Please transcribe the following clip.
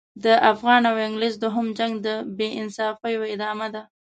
د افغان او انګلیس دوهم جنګ د بې انصافیو ادامه ده.